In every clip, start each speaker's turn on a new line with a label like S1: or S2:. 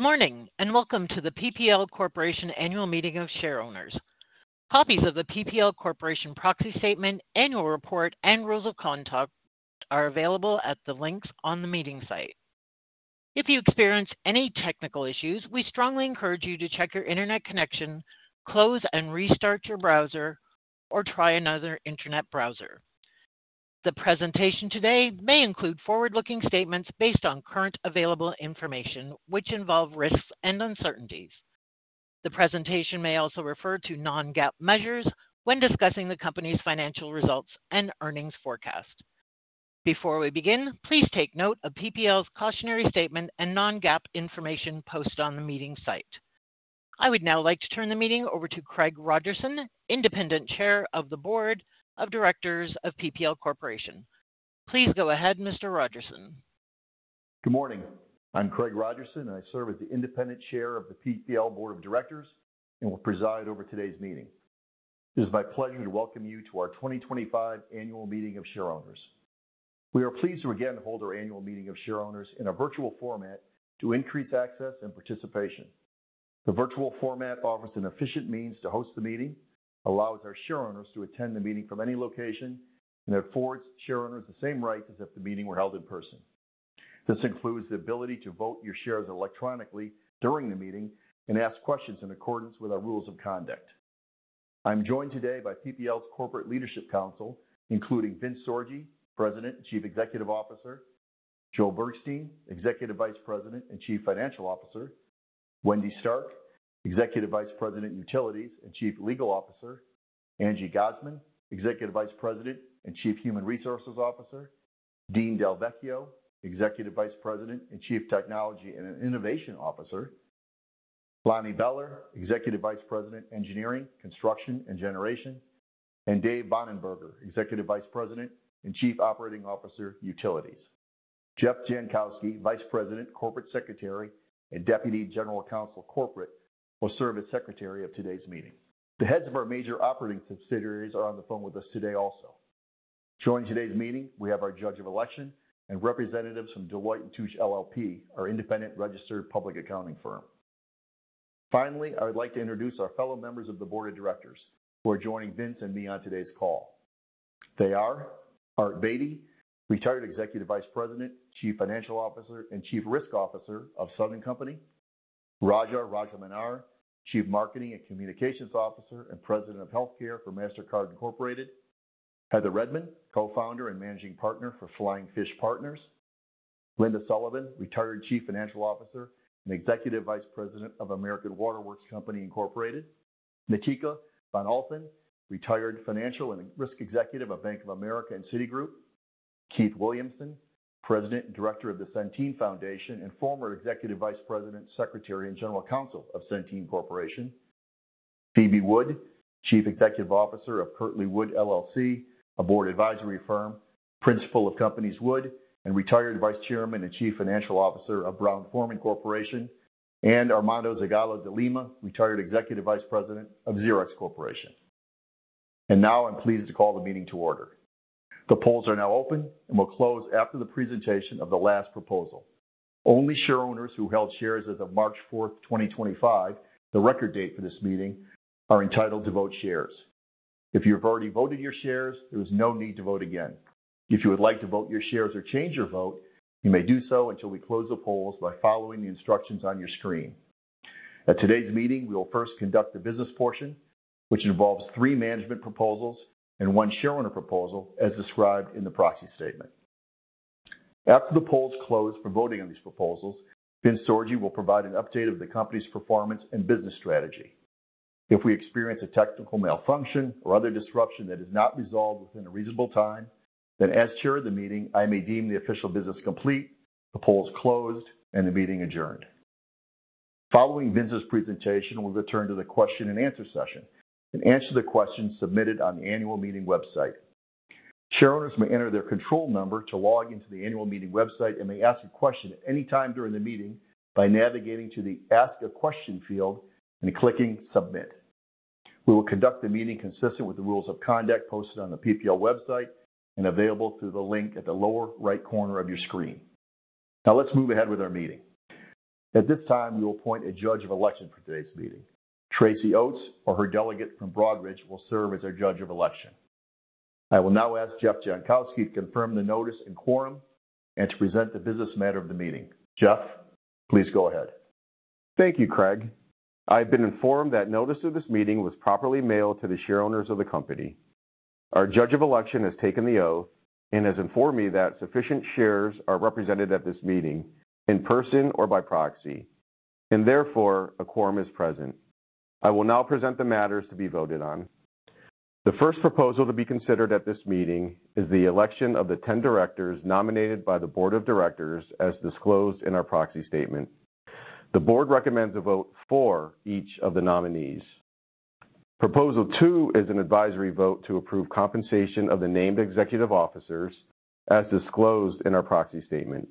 S1: Good morning and welcome to the PPL Corporation Annual Meeting of Shareowners. Copies of the PPL Corporation Proxy Statement, Annual Report, and Rules of Conduct are available at the links on the meeting site. If you experience any technical issues, we strongly encourage you to check your internet connection, close and restart your browser, or try another internet browser. The presentation today may include forward-looking statements based on current available information, which involve risks and uncertainties. The presentation may also refer to non-GAAP measures when discussing the company's financial results and earnings forecast. Before we begin, please take note of PPL's cautionary statement and non-GAAP information posted on the meeting site. I would now like to turn the meeting over to Craig Rogerson, Independent Chair of the Board of Directors of PPL Corporation. Please go ahead, Mr. Rogerson.
S2: Good morning. I'm Craig Rogerson, and I serve as the Independent Chair of the PPL Board of Directors and will preside over today's meeting. It is my pleasure to welcome you to our 2025 Annual Meeting of Shareowners. We are pleased to again hold our Annual Meeting of Shareowners in a virtual format to increase access and participation. The virtual format offers an efficient means to host the meeting, allows our shareowners to attend the meeting from any location, and affords shareowners the same rights as if the meeting were held in person. This includes the ability to vote your shares electronically during the meeting and ask questions in accordance with our rules of conduct. I'm joined today by PPL's Corporate Leadership Council, including Vince Sorgi, President and Chief Executive Officer; Joe Bergstein, Executive Vice President and Chief Financial Officer; Wendy Stark, Executive Vice President, Utilities and Chief Legal Officer; Angie Gosman, Executive Vice President and Chief Human Resources Officer; Dean Del Vecchio, Executive Vice President and Chief Technology and Innovation Officer; Loni Bellar, Executive Vice President, Engineering, Construction, and Generation; and Dave Bonenberger, Executive Vice President and Chief Operating Officer, Utilities. Jeff Jankowski, Vice President, Corporate Secretary, and Deputy General Counsel Corporate, will serve as Secretary of today's meeting. The heads of our major operating subsidiaries are on the phone with us today also. Joining today's meeting, we have our Judge of Election and representatives from Deloitte & Touche LLP, our independent registered public accounting firm. Finally, I would like to introduce our fellow members of the Board of Directors who are joining Vince and me on today's call. They are Art Beattie, Retired Executive Vice President, Chief Financial Officer, and Chief Risk Officer of Southern Company, Raja Rajamannar, Chief Marketing and Communications Officer and President of Healthcare for Mastercard Incorporated, Heather Redman, Co-Founder and Managing Partner for Flying Fish Partners, Linda Sullivan, Retired Chief Financial Officer and Executive Vice President of American Water Works Company Incorporated, Nitika Van Olsen, Retired Financial and Risk Executive of Bank of America and Citigroup, Keith Williamson, President and Director of the Centene Foundation and former Executive Vice President, Secretary and General Counsel of Centene Corporation, Phoebe Wood, Chief Executive Officer of Curtley Wood, a board advisory firm, principal of Companies Wood, and retired Vice Chairman and Chief Financial Officer of Brown-Forman Corporation, and Armando Zagalo de Lima, Retired Executive Vice President of Xerox Corporation. I am pleased to call the meeting to order. The polls are now open and will close after the presentation of the last proposal. Only shareholders who held shares as of March 4th, 2025, the record date for this meeting, are entitled to vote shares. If you have already voted your shares, there is no need to vote again. If you would like to vote your shares or change your vote, you may do so until we close the polls by following the instructions on your screen. At today's meeting, we will first conduct the business portion, which involves three management proposals and one shareholder proposal as described in the proxy statement. After the polls close for voting on these proposals, Vince Sorgi will provide an update of the company's performance and business strategy. If we experience a technical malfunction or other disruption that is not resolved within a reasonable time, then as Chair of the meeting, I may deem the official business complete, the polls closed, and the meeting adjourned. Following Vince's presentation, we'll return to the question-and-answer session and answer the questions submitted on the annual meeting website. Shareholders may enter their control number to log into the annual meeting website and may ask a question at any time during the meeting by navigating to the Ask a Question field and clicking Submit. We will conduct the meeting consistent with the rules of conduct posted on the PPL website and available through the link at the lower right corner of your screen. Now let's move ahead with our meeting. At this time, we will appoint a Judge of Election for today's meeting. Tracy Oates, or her delegate from Broadridge, will serve as our Judge of Election. I will now ask Jeff Jankowski to confirm the notice and quorum and to present the business matter of the meeting. Jeff, please go ahead.
S3: Thank you, Craig. I've been informed that notice of this meeting was properly mailed to the shareholders of the company. Our Judge of Election has taken the oath and has informed me that sufficient shares are represented at this meeting in person or by proxy, and therefore a quorum is present. I will now present the matters to be voted on. The first proposal to be considered at this meeting is the election of the 10 directors nominated by the Board of Directors as disclosed in our proxy statement. The Board recommends a vote for each of the nominees. Proposal two is an advisory vote to approve compensation of the named executive officers as disclosed in our proxy statement.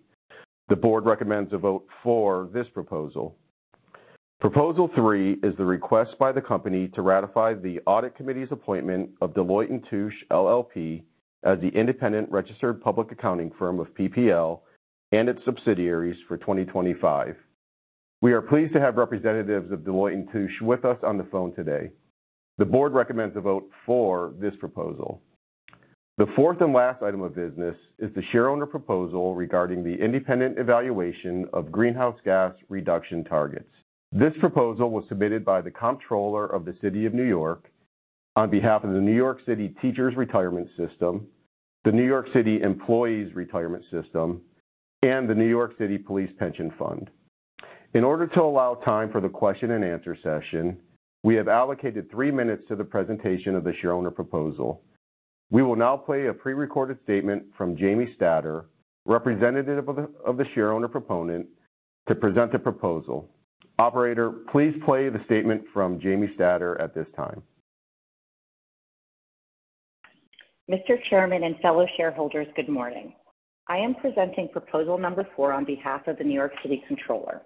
S3: The Board recommends a vote for this proposal. Proposal three is the request by the company to ratify the audit committee's appointment of Deloitte & Touche LLP as the independent registered public accounting firm of PPL and its subsidiaries for 2025. We are pleased to have representatives of Deloitte & Touche with us on the phone today. The board recommends a vote for this proposal. The fourth and last item of business is the shareholder proposal regarding the independent evaluation of greenhouse gas reduction targets. This proposal was submitted by the Comptroller of the City of New York on behalf of the New York City Teachers' Retirement System, the New York City Employees' Retirement System, and the New York City Police Pension Fund. In order to allow time for the question-and-answer session, we have allocated three minutes to the presentation of the shareholder proposal. We will now play a prerecorded statement from Jamie Stader, representative of the shareholder proponent, to present a proposal. Operator, please play the statement from Jamie Stader at this time.
S4: Mr. Chairman and fellow shareholders, good morning. I am presenting proposal number four on behalf of the New York City Comptroller.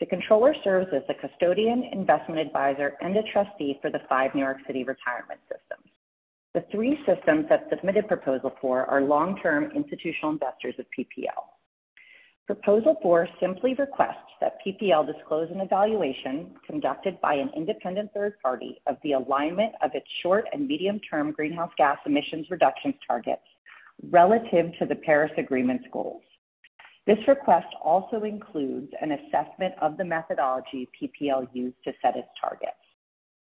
S4: The Controller serves as the custodian, investment advisor, and a trustee for the five New York City retirement systems. The three systems that submitted proposal four are long-term institutional investors of PPL. Proposal four simply requests that PPL disclose an evaluation conducted by an independent third party of the alignment of its short and medium-term greenhouse gas emissions reduction targets relative to the Paris Agreement's goals. This request also includes an assessment of the methodology PPL used to set its targets.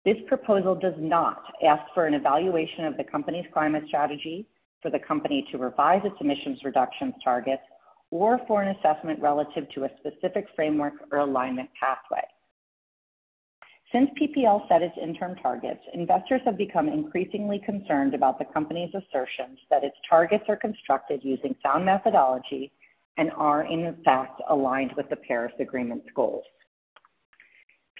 S4: This proposal does not ask for an evaluation of the company's climate strategy, for the company to revise its emissions reduction targets, or for an assessment relative to a specific framework or alignment pathway. Since PPL set its interim targets, investors have become increasingly concerned about the company's assertions that its targets are constructed using sound methodology and are, in fact, aligned with the Paris Agreement's goals.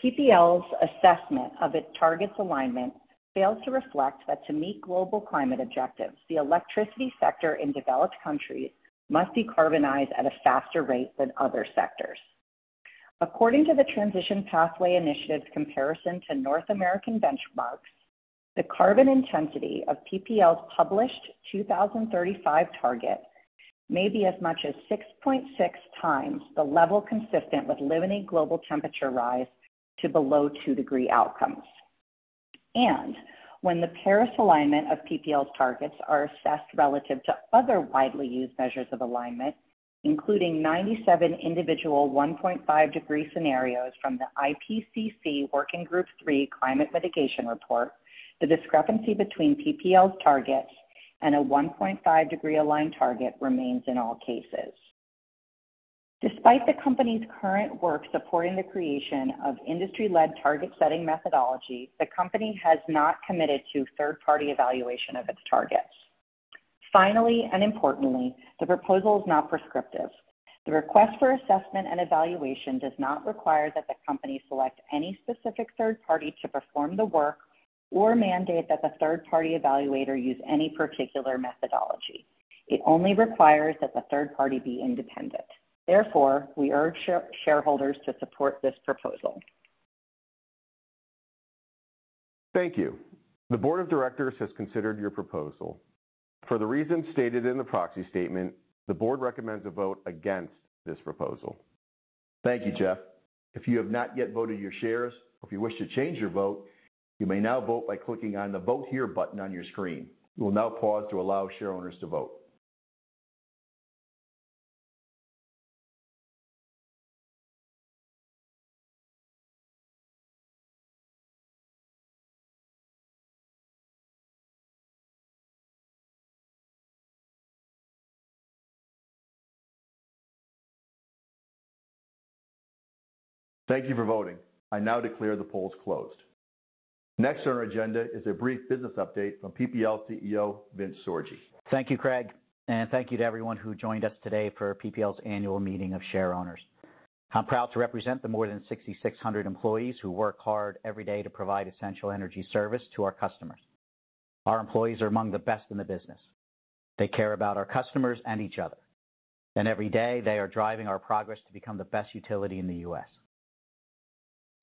S4: PPL's assessment of its targets' alignment fails to reflect that to meet global climate objectives, the electricity sector in developed countries must decarbonize at a faster rate than other sectors. According to the Transition Pathway Initiative's comparison to North American benchmarks, the carbon intensity of PPL's published 2035 target may be as much as 6.6 times the level consistent with limiting global temperature rise to below two-degree outcomes. When the Paris alignment of PPL's targets are assessed relative to other widely used measures of alignment, including 97 individual 1.5-degree scenarios from the IPCC Working Group III Climate Mitigation Report, the discrepancy between PPL's targets and a 1.5-degree aligned target remains in all cases. Despite the company's current work supporting the creation of industry-led target-setting methodology, the company has not committed to third-party evaluation of its targets. Finally and importantly, the proposal is not prescriptive. The request for assessment and evaluation does not require that the company select any specific third party to perform the work or mandate that the third-party evaluator use any particular methodology. It only requires that the third party be independent. Therefore, we urge shareholders to support this proposal.
S3: Thank you. The Board of Directors has considered your proposal. For the reasons stated in the proxy statement, the board recommends a vote against this proposal.
S2: Thank you, Jeff. If you have not yet voted your shares or if you wish to change your vote, you may now vote by clicking on the Vote Here button on your screen. We will now pause to allow shareholders to vote. Thank you for voting. I now declare the polls closed. Next on our agenda is a brief business update from PPL CEO Vince Sorgi.
S5: Thank you, Craig, and thank you to everyone who joined us today for PPL's annual meeting of shareholders. I'm proud to represent the more than 6,600 employees who work hard every day to provide essential energy service to our customers. Our employees are among the best in the business. They care about our customers and each other. Every day, they are driving our progress to become the best utility in the U.S.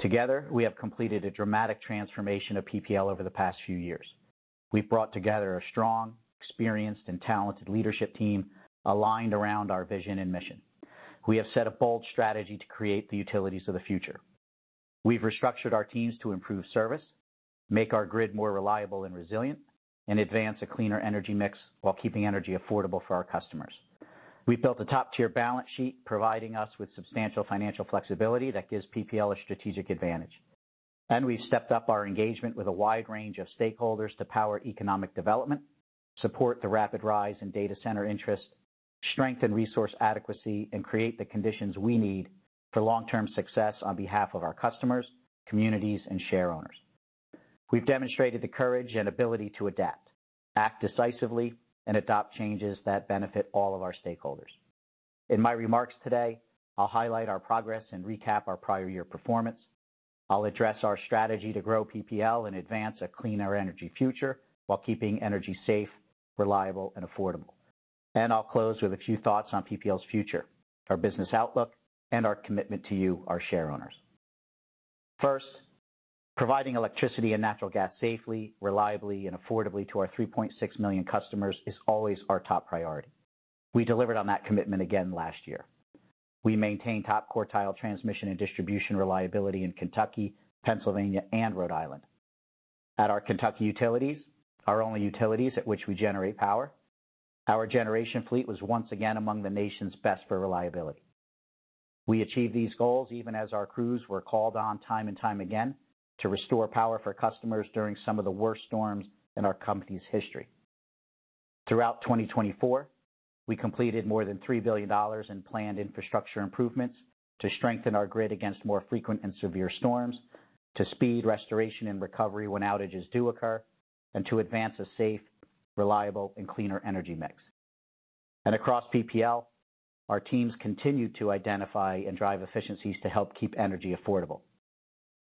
S5: Together, we have completed a dramatic transformation of PPL over the past few years. We've brought together a strong, experienced, and talented leadership team aligned around our vision and mission. We have set a bold strategy to create the utilities of the future. We've restructured our teams to improve service, make our grid more reliable and resilient, and advance a cleaner energy mix while keeping energy affordable for our customers. We've built a top-tier balance sheet, providing us with substantial financial flexibility that gives PPL a strategic advantage. We have stepped up our engagement with a wide range of stakeholders to power economic development, support the rapid rise in data center interest, strengthen resource adequacy, and create the conditions we need for long-term success on behalf of our customers, communities, and shareowners. We have demonstrated the courage and ability to adapt, act decisively, and adopt changes that benefit all of our stakeholders. In my remarks today, I'll highlight our progress and recap our prior year performance. I'll address our strategy to grow PPL and advance a cleaner energy future while keeping energy safe, reliable, and affordable. I'll close with a few thoughts on PPL's future, our business outlook, and our commitment to you, our shareowners. First, providing electricity and natural gas safely, reliably, and affordably to our 3.6 million customers is always our top priority. We delivered on that commitment again last year. We maintain top quartile transmission and distribution reliability in Kentucky, Pennsylvania, and Rhode Island. At our Kentucky utilities, our only utilities at which we generate power, our generation fleet was once again among the nation's best for reliability. We achieved these goals even as our crews were called on time and time again to restore power for customers during some of the worst storms in our company's history. Throughout 2024, we completed more than $3 billion in planned infrastructure improvements to strengthen our grid against more frequent and severe storms, to speed restoration and recovery when outages do occur, and to advance a safe, reliable, and cleaner energy mix. Across PPL, our teams continue to identify and drive efficiencies to help keep energy affordable.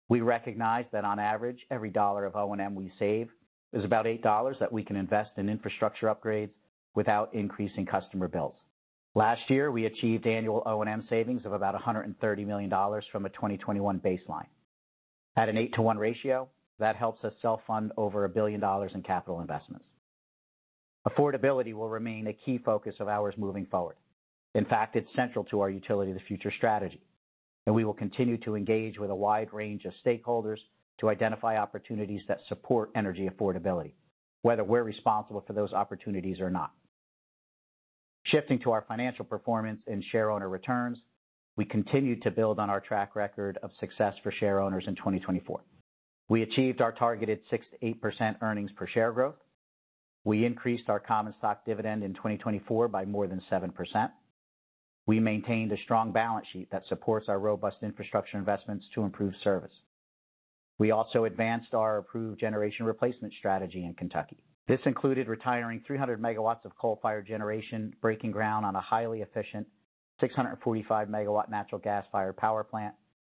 S5: We recognize that on average, every dollar of O&M we save is about $8 that we can invest in infrastructure upgrades without increasing customer bills. Last year, we achieved annual O&M savings of about $130 million from a 2021 baseline. At an eight-to-one ratio, that helps us self-fund over $1 billion in capital investments. Affordability will remain a key focus of ours moving forward. In fact, it is central to our utility of the future strategy. We will continue to engage with a wide range of stakeholders to identify opportunities that support energy affordability, whether we are responsible for those opportunities or not. Shifting to our financial performance and shareowner returns, we continue to build on our track record of success for shareowners in 2024. We achieved our targeted 6-8% earnings per share growth. We increased our common stock dividend in 2024 by more than 7%. We maintained a strong balance sheet that supports our robust infrastructure investments to improve service. We also advanced our approved generation replacement strategy in Kentucky. This included retiring 300 MW of coal-fired generation, breaking ground on a highly efficient 645 MW natural gas-fired power plant,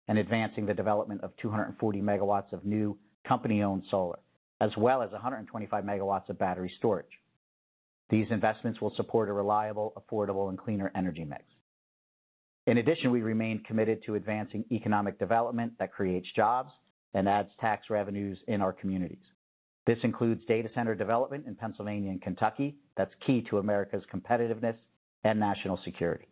S5: and advancing the development of 240 MW of new company-owned solar, as well as 125 MW of battery storage. These investments will support a reliable, affordable, and cleaner energy mix. In addition, we remain committed to advancing economic development that creates jobs and adds tax revenues in our communities. This includes data center development in Pennsylvania and Kentucky that is key to America's competitiveness and national security.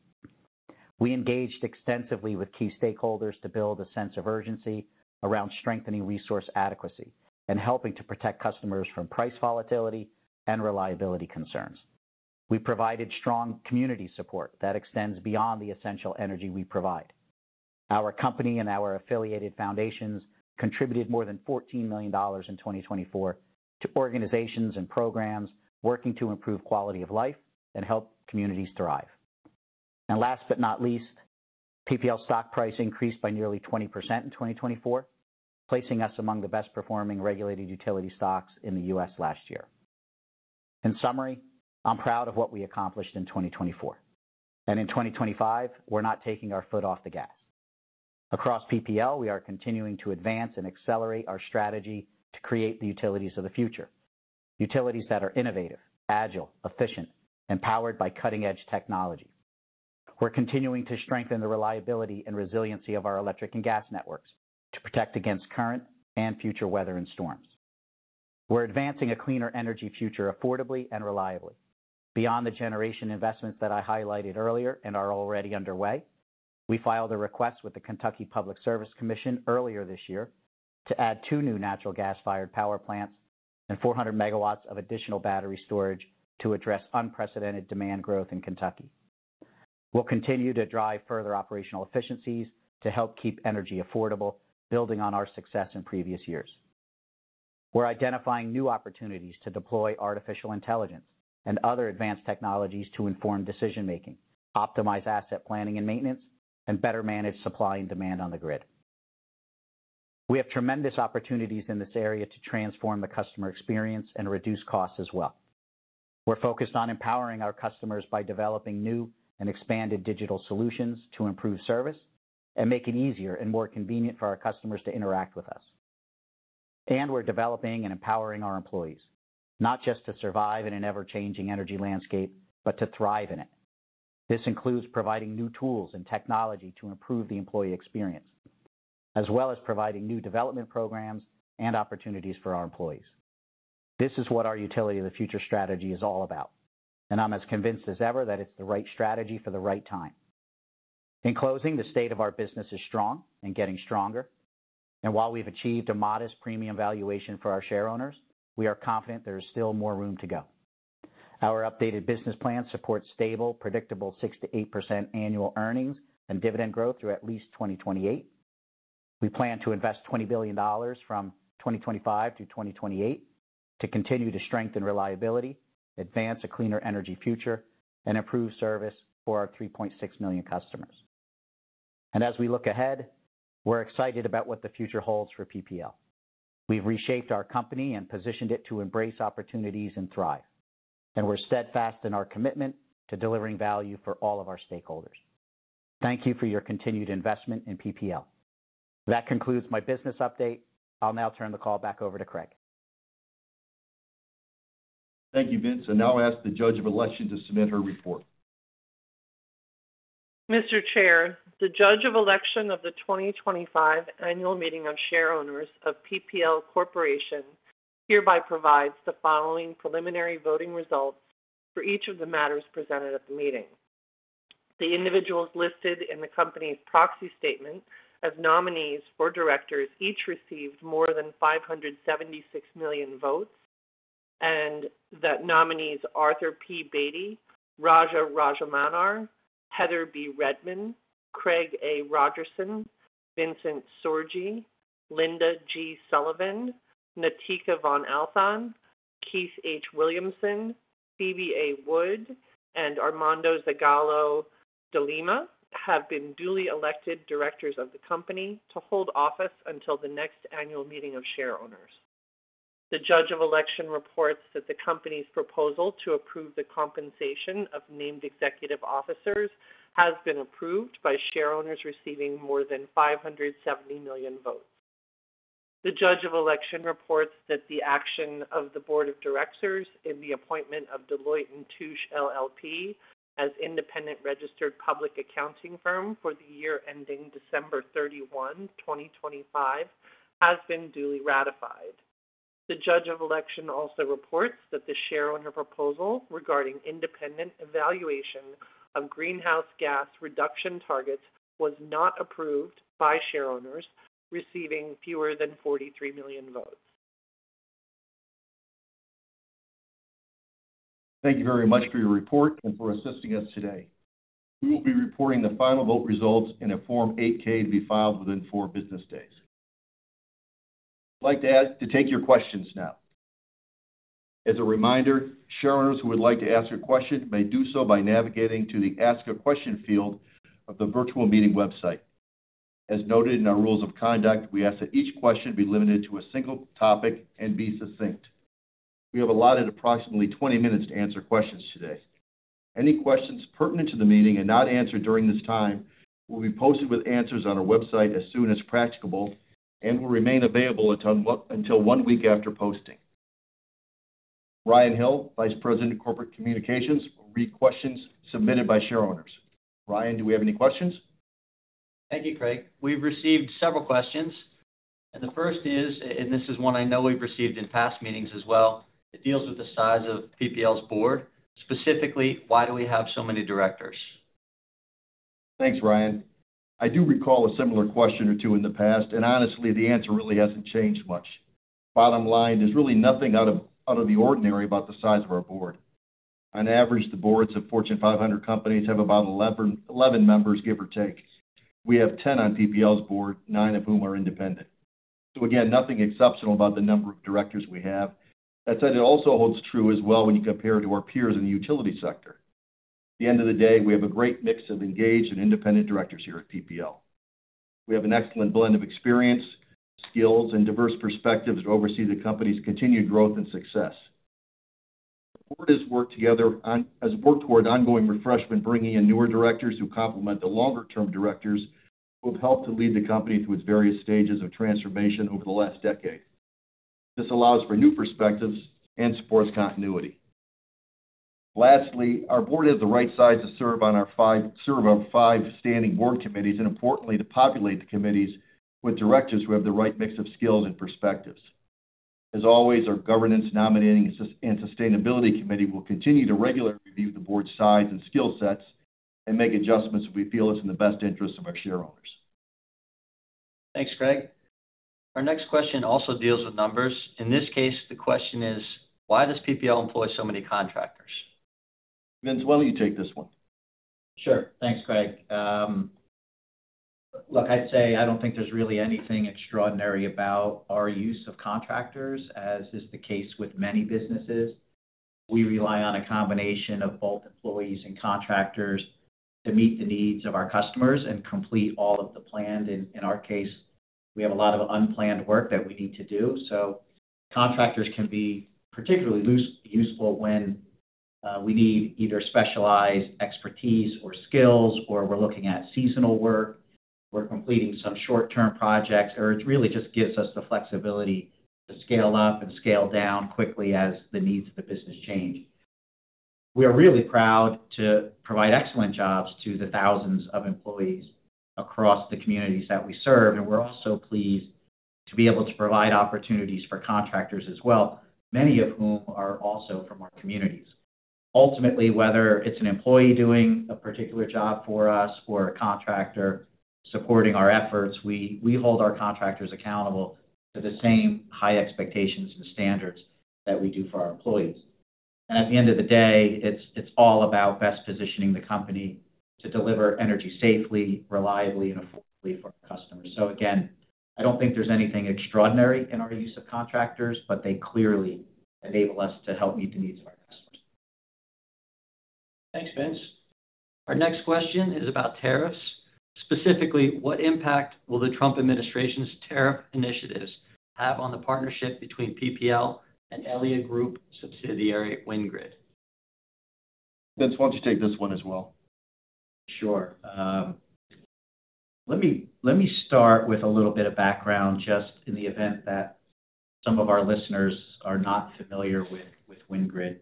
S5: We engaged extensively with key stakeholders to build a sense of urgency around strengthening resource adequacy and helping to protect customers from price volatility and reliability concerns. We provided strong community support that extends beyond the essential energy we provide. Our company and our affiliated foundations contributed more than $14 million in 2024 to organizations and programs working to improve quality of life and help communities thrive. Last but not least, PPL stock price increased by nearly 20% in 2024, placing us among the best-performing regulated utility stocks in the U.S. last year. In summary, I'm proud of what we accomplished in 2024. In 2025, we're not taking our foot off the gas. Across PPL, we are continuing to advance and accelerate our strategy to create the utilities of the future, utilities that are innovative, agile, efficient, and powered by cutting-edge technology. We're continuing to strengthen the reliability and resiliency of our electric and gas networks to protect against current and future weather and storms. We're advancing a cleaner energy future affordably and reliably. Beyond the generation investments that I highlighted earlier and are already underway, we filed a request with the Kentucky Public Service Commission earlier this year to add two new natural gas-fired power plants and 400 MW of additional battery storage to address unprecedented demand growth in Kentucky. We'll continue to drive further operational efficiencies to help keep energy affordable, building on our success in previous years. We're identifying new opportunities to deploy artificial intelligence and other advanced technologies to inform decision-making, optimize asset planning and maintenance, and better manage supply and demand on the grid. We have tremendous opportunities in this area to transform the customer experience and reduce costs as well. We're focused on empowering our customers by developing new and expanded digital solutions to improve service and make it easier and more convenient for our customers to interact with us. We're developing and empowering our employees, not just to survive in an ever-changing energy landscape, but to thrive in it. This includes providing new tools and technology to improve the employee experience, as well as providing new development programs and opportunities for our employees. This is what our utility of the future strategy is all about. I'm as convinced as ever that it's the right strategy for the right time. In closing, the state of our business is strong and getting stronger. While we've achieved a modest premium valuation for our shareholders, we are confident there is still more room to go. Our updated business plan supports stable, predictable 6%-8% annual earnings and dividend growth through at least 2028. We plan to invest $20 billion from 2025-2028 to continue to strengthen reliability, advance a cleaner energy future, and improve service for our 3.6 million customers. As we look ahead, we're excited about what the future holds for PPL. We've reshaped our company and positioned it to embrace opportunities and thrive. We're steadfast in our commitment to delivering value for all of our stakeholders. Thank you for your continued investment in PPL. That concludes my business update. I'll now turn the call back over to Craig.
S2: Thank you, Vince. Now I'll ask the Judge of Election to submit her report.
S6: Mr. Chair, the Judge of Election of the 2025 Annual Meeting of Shareowners of PPL Corporation hereby provides the following preliminary voting results for each of the matters presented at the meeting. The individuals listed in the company's proxy statement as nominees for directors each received more than 576 million votes, and that nominees Arthur P. Beattie, Raja Rajamannar, Heather Redman, Craig A. Rogerson, Vincent Sorgi, Linda G. Sullivan, Nitika Van Olsen, Keith H. Williamson, Phoebe A. Wood, and Armando Zagallo de Lima have been duly elected directors of the company to hold office until the next annual meeting of shareholders. The Judge of Election reports that the company's proposal to approve the compensation of named executive officers has been approved by shareowners receiving more than 570 million votes. The Judge of Election reports that the action of the Board of Directors in the appointment of Deloitte & Touche LLP as independent registered public accounting firm for the year ending December 31, 2025, has been duly ratified. The Judge of Election also reports that the shareholder proposal regarding independent evaluation of greenhouse gas reduction targets was not approved by shareowners receiving fewer than 43 million votes.
S2: Thank you very much for your report and for assisting us today. We will be reporting the final vote results in a Form 8-K to be filed within four business days. I'd like to ask to take your questions now. As a reminder, shareholders who would like to ask a question may do so by navigating to the Ask a Question field of the virtual meeting website. As noted in our rules of conduct, we ask that each question be limited to a single topic and be succinct. We have allotted approximately 20 minutes to answer questions today. Any questions pertinent to the meeting and not answered during this time will be posted with answers on our website as soon as practicable and will remain available until one week after posting. Ryan Hill, Vice President of Corporate Communications, will read questions submitted by shareowners. Ryan, do we have any questions?
S7: Thank you, Craig. We've received several questions. The first is, and this is one I know we've received in past meetings as well, it deals with the size of PPL's board. Specifically, why do we have so many directors?
S2: Thanks, Ryan. I do recall a similar question or two in the past. Honestly, the answer really hasn't changed much. Bottom line, there's really nothing out of the ordinary about the size of our board. On average, the boards of Fortune 500 companies have about 11 members, give or take. We have 10 on PPL's board, 9 of whom are independent. Again, nothing exceptional about the number of directors we have. That said, it also holds true as well when you compare it to our peers in the utility sector. At the end of the day, we have a great mix of engaged and independent directors here at PPL. We have an excellent blend of experience, skills, and diverse perspectives that oversee the company's continued growth and success. The board has worked toward ongoing refreshment, bringing in newer directors who complement the longer-term directors who have helped to lead the company through its various stages of transformation over the last decade. This allows for new perspectives and supports continuity. Lastly, our board has the right size to serve on our five standing board committees and, importantly, to populate the committees with directors who have the right mix of skills and perspectives. As always, our governance, nominating, and sustainability committee will continue to regularly review the board's size and skill sets and make adjustments if we feel it's in the best interest of our shareholders.
S7: Thanks, Craig. Our next question also deals with numbers. In this case, the question is, why does PPL employ so many contractors?
S2: Vince, why don't you take this one?
S5: Sure. Thanks, Craig. Look, I'd say I don't think there's really anything extraordinary about our use of contractors, as is the case with many businesses. We rely on a combination of both employees and contractors to meet the needs of our customers and complete all of the planned. In our case, we have a lot of unplanned work that we need to do. Contractors can be particularly useful when we need either specialized expertise or skills, or we're looking at seasonal work, we're completing some short-term projects, or it really just gives us the flexibility to scale up and scale down quickly as the needs of the business change. We are really proud to provide excellent jobs to the thousands of employees across the communities that we serve. We are also pleased to be able to provide opportunities for contractors as well, many of whom are also from our communities. Ultimately, whether it is an employee doing a particular job for us or a contractor supporting our efforts, we hold our contractors accountable to the same high expectations and standards that we do for our employees. At the end of the day, it is all about best positioning the company to deliver energy safely, reliably, and affordably for our customers. I do not think there is anything extraordinary in our use of contractors, but they clearly enable us to help meet the needs of our customers.
S7: Thanks, Vince. Our next question is about tariffs. Specifically, what impact will the Trump administration's tariff initiatives have on the partnership between PPL and Elliott Group subsidiary WindGrid?
S2: Vince, why don't you take this one as well?
S5: Sure. Let me start with a little bit of background just in the event that some of our listeners are not familiar with Wind Grid.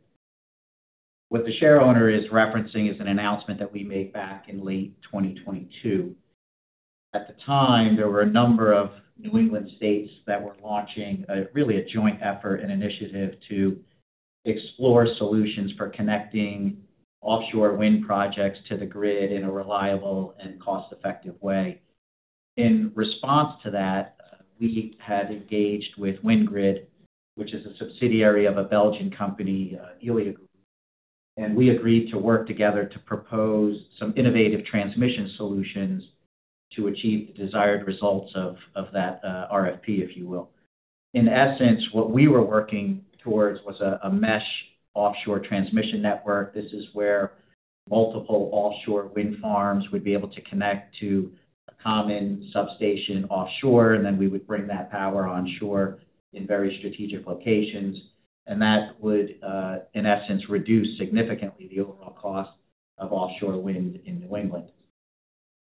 S5: What the shareowner is referencing is an announcement that we made back in late 2022. At the time, there were a number of New England states that were launching really a joint effort and initiative to explore solutions for connecting offshore wind projects to the grid in a reliable and cost-effective way. In response to that, we had engaged with WindGrid, which is a subsidiary of a Belgian company, Elliott Group. We agreed to work together to propose some innovative transmission solutions to achieve the desired results of that RFP, if you will. In essence, what we were working towards was a mesh offshore transmission network. This is where multiple offshore wind farms would be able to connect to a common substation offshore, and then we would bring that power onshore in very strategic locations. That would, in essence, reduce significantly the overall cost of offshore wind in New England.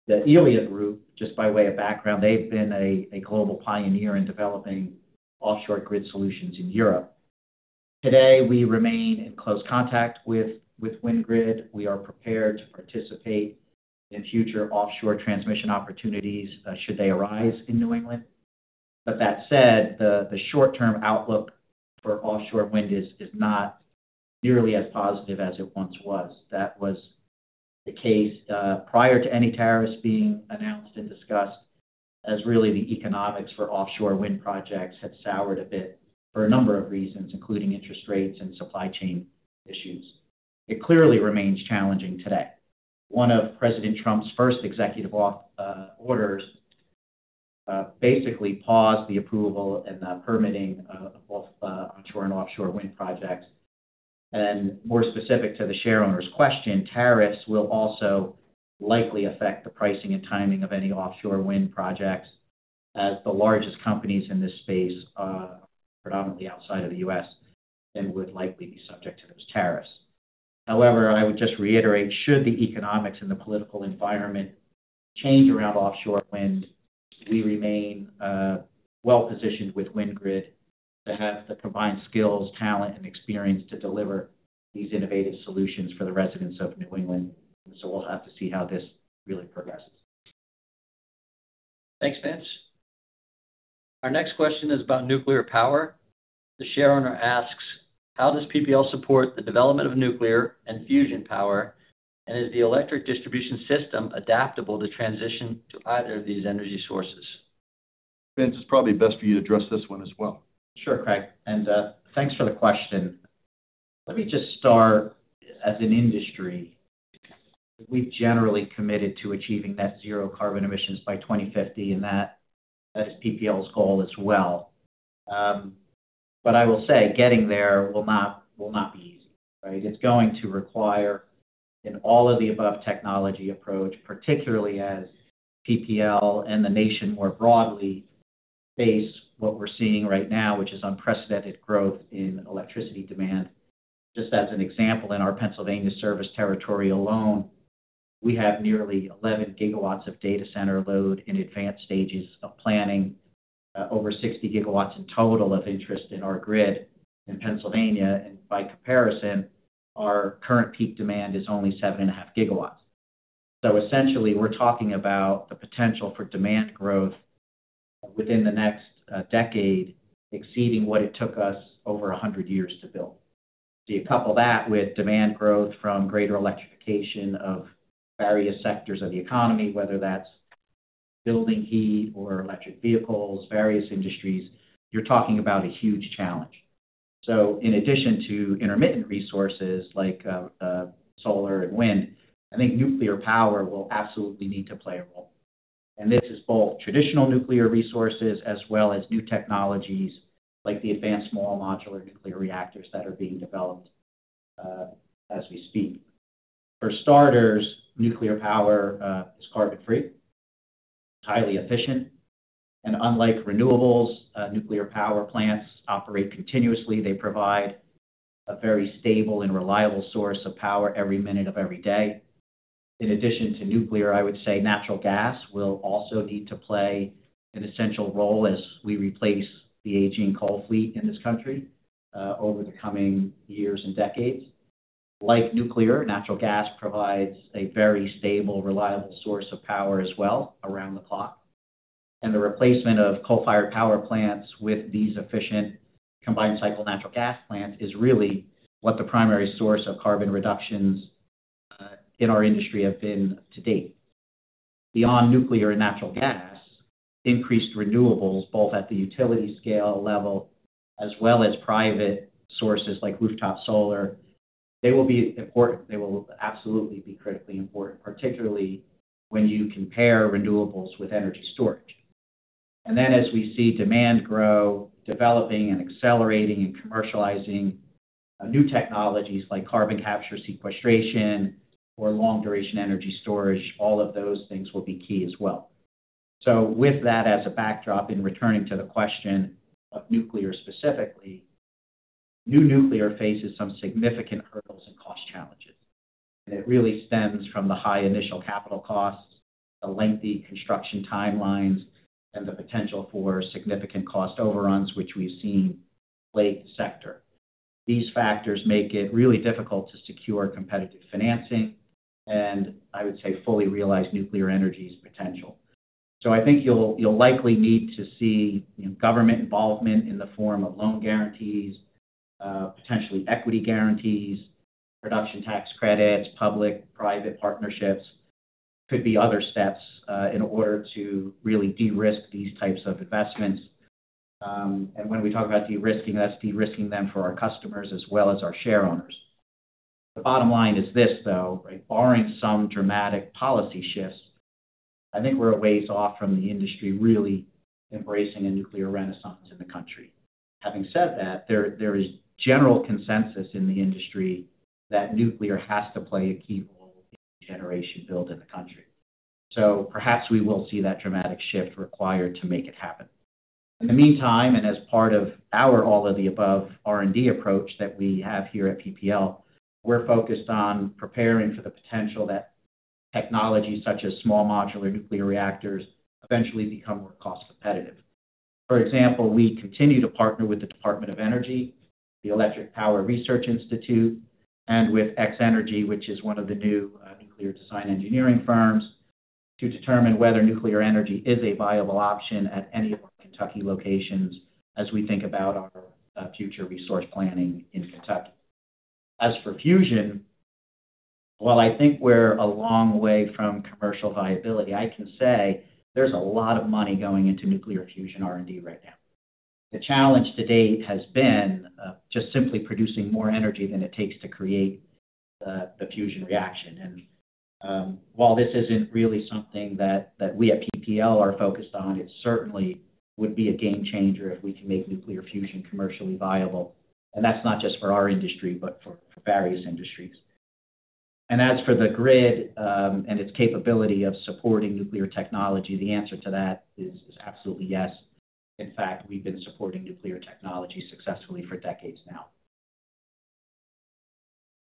S5: The Elliott Group, just by way of background, has been a global pioneer in developing offshore grid solutions in Europe. Today, we remain in close contact with WindGrid. We are prepared to participate in future offshore transmission opportunities should they arise in New England. That said, the short-term outlook for offshore wind is not nearly as positive as it once was. That was the case prior to any tariffs being announced and discussed, as really the economics for offshore wind projects had soured a bit for a number of reasons, including interest rates and supply chain issues. It clearly remains challenging today. One of President Trump's first executive orders basically paused the approval and the permitting of both onshore and offshore wind projects. More specific to the shareholder's question, tariffs will also likely affect the pricing and timing of any offshore wind projects, as the largest companies in this space are predominantly outside of the U.S. and would likely be subject to those tariffs. However, I would just reiterate, should the economics and the political environment change around offshore wind, we remain well-positioned with WindGrid to have the combined skills, talent, and experience to deliver these innovative solutions for the residents of New England. We will have to see how this really progresses.
S7: Thanks, Vince. Our next question is about nuclear power. The shareowner asks, how does PPL support the development of nuclear and fusion power, and is the electric distribution system adaptable to transition to either of these energy sources?
S2: Vince, it's probably best for you to address this one as well.
S5: Sure, Craig. Thanks for the question. Let me just start as an industry. We have generally committed to achieving net zero carbon emissions by 2050, and that is PPL's goal as well. I will say getting there will not be easy, right? It is going to require an all-of-the-above technology approach, particularly as PPL and the nation more broadly face what we are seeing right now, which is unprecedented growth in electricity demand. Just as an example, in our Pennsylvania service territory alone, we have nearly 11 GW of data center load in advanced stages of planning, over 60 GW in total of interest in our grid in Pennsylvania. By comparison, our current peak demand is only 7.5 GW. Essentially, we are talking about the potential for demand growth within the next decade exceeding what it took us over 100 years to build. If you couple that with demand growth from greater electrification of various sectors of the economy, whether that's building heat or electric vehicles, various industries, you're talking about a huge challenge. In addition to intermittent resources like solar and wind, I think nuclear power will absolutely need to play a role. This is both traditional nuclear resources as well as new technologies like the advanced small modular nuclear reactors that are being developed as we speak. For starters, nuclear power is carbon-free. It's highly efficient. Unlike renewables, nuclear power plants operate continuously. They provide a very stable and reliable source of power every minute of every day. In addition to nuclear, I would say natural gas will also need to play an essential role as we replace the aging coal fleet in this country over the coming years and decades. Like nuclear, natural gas provides a very stable, reliable source of power as well around the clock. The replacement of coal-fired power plants with these efficient combined-cycle natural gas plants is really what the primary source of carbon reductions in our industry have been to date. Beyond nuclear and natural gas, increased renewables, both at the utility scale level as well as private sources like rooftop solar, they will be important. They will absolutely be critically important, particularly when you compare renewables with energy storage. As we see demand grow, developing and accelerating and commercializing new technologies like carbon capture, sequestration, or long-duration energy storage, all of those things will be key as well. With that as a backdrop in returning to the question of nuclear specifically, new nuclear faces some significant hurdles and cost challenges. It really stems from the high initial capital costs, the lengthy construction timelines, and the potential for significant cost overruns, which we've seen plague the sector. These factors make it really difficult to secure competitive financing and, I would say, fully realize nuclear energy's potential. I think you'll likely need to see government involvement in the form of loan guarantees, potentially equity guarantees, production tax credits, public-private partnerships. It could be other steps in order to really de-risk these types of investments. When we talk about de-risking, that's de-risking them for our customers as well as our shareowners. The bottom line is this, though, right? Barring some dramatic policy shifts, I think we're a ways off from the industry really embracing a nuclear renaissance in the country. Having said that, there is general consensus in the industry that nuclear has to play a key role in the generation build in the country. Perhaps we will see that dramatic shift required to make it happen. In the meantime, and as part of our all-of-the-above R&D approach that we have here at PPL, we're focused on preparing for the potential that technologies such as small modular nuclear reactors eventually become more cost-competitive. For example, we continue to partner with the Department of Energy, the Electric Power Research Institute, and with X-energy, which is one of the new nuclear design engineering firms, to determine whether nuclear energy is a viable option at any of our Kentucky locations as we think about our future resource planning in Kentucky. As for fusion, while I think we're a long way from commercial viability, I can say there's a lot of money going into nuclear fusion R&D right now. The challenge to date has been just simply producing more energy than it takes to create the fusion reaction. While this isn't really something that we at PPL are focused on, it certainly would be a game changer if we can make nuclear fusion commercially viable. That's not just for our industry, but for various industries. As for the grid and its capability of supporting nuclear technology, the answer to that is absolutely yes. In fact, we've been supporting nuclear technology successfully for decades now.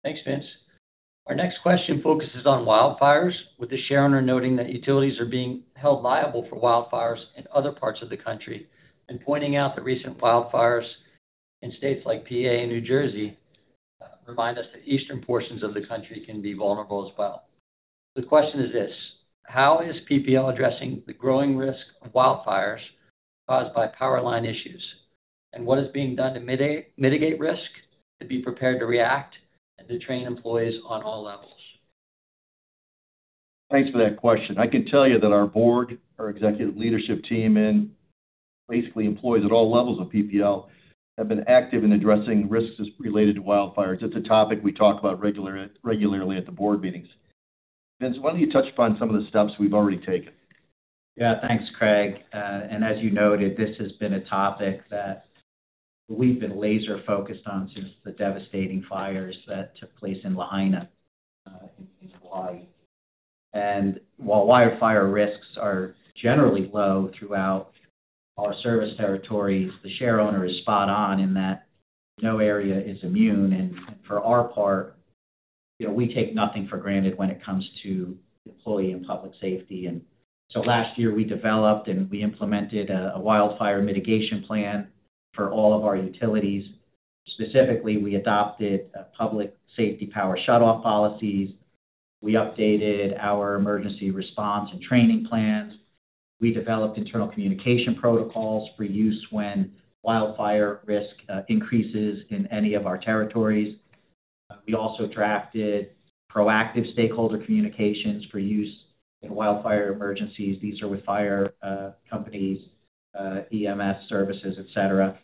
S7: Thanks, Vince. Our next question focuses on wildfires, with the shareholder noting that utilities are being held liable for wildfires in other parts of the country and pointing out that recent wildfires in states like PA and New Jersey remind us that eastern portions of the country can be vulnerable as well. The question is this: How is PPL addressing the growing risk of wildfires caused by power line issues? What is being done to mitigate risk, to be prepared to react, and to train employees on all levels?
S2: Thanks for that question. I can tell you that our board, our executive leadership team, and basically employees at all levels of PPL have been active in addressing risks related to wildfires. It's a topic we talk about regularly at the board meetings. Vince, why don't you touch upon some of the steps we've already taken?
S5: Yeah, thanks, Craig. As you noted, this has been a topic that we've been laser-focused on since the devastating fires that took place in Lahaina in Hawaii. While wildfire risks are generally low throughout our service territories, the shareholder is spot on in that no area is immune. For our part, we take nothing for granted when it comes to employee and public safety. Last year, we developed and we implemented a wildfire mitigation plan for all of our utilities. Specifically, we adopted public safety power shutoff policies. We updated our emergency response and training plans. We developed internal communication protocols for use when wildfire risk increases in any of our territories. We also drafted proactive stakeholder communications for use in wildfire emergencies. These are with fire companies, EMS services, etc.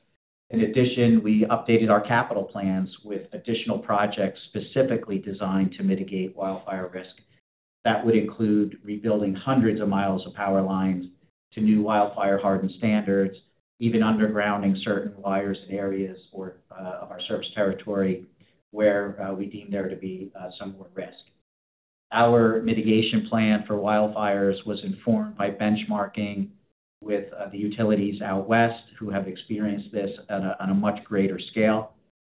S5: In addition, we updated our capital plans with additional projects specifically designed to mitigate wildfire risk. That would include rebuilding hundreds of miles of power lines to new wildfire hardened standards, even undergrounding certain wires in areas of our service territory where we deem there to be some more risk. Our mitigation plan for wildfires was informed by benchmarking with the utilities out West who have experienced this on a much greater scale.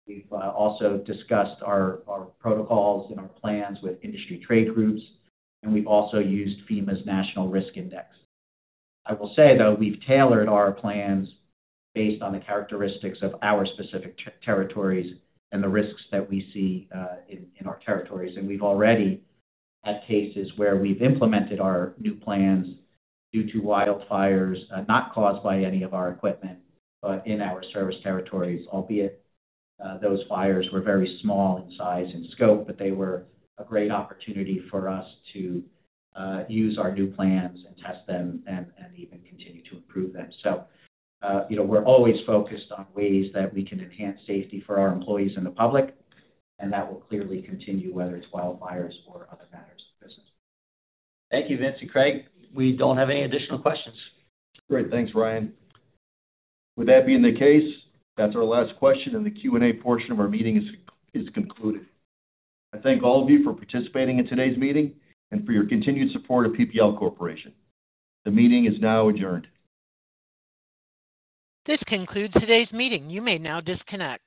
S5: We have also discussed our protocols and our plans with industry trade groups, and we have also used FEMA's National Risk Index. I will say, though, we have tailored our plans based on the characteristics of our specific territories and the risks that we see in our territories. We have already had cases where we have implemented our new plans due to wildfires not caused by any of our equipment, but in our service territories, albeit those fires were very small in size and scope, but they were a great opportunity for us to use our new plans and test them and even continue to improve them. We are always focused on ways that we can enhance safety for our employees and the public, and that will clearly continue whether it is wildfires or other matters of business.
S7: Thank you, Vince. Craig, we do not have any additional questions.
S2: Great. Thanks, Ryan. With that being the case, that's our last question, and the Q&A portion of our meeting is concluded. I thank all of you for participating in today's meeting and for your continued support of PPL Corporation. The meeting is now adjourned.
S1: This concludes today's meeting. You may now disconnect.